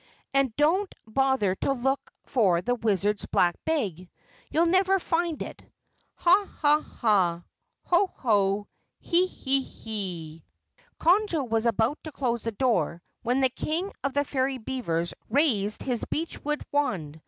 And don't bother to look for the Wizard's Black Bag. You'll never find it. Ha, ha, ha, ho, ho, he, he, he!" Conjo was about to close the door, when the King of the Fairy Beavers raised his beechwood wand.